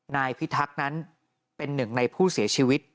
นายพิทักษ์นั้นเป็นหนึ่งในผู้เสียชีวิต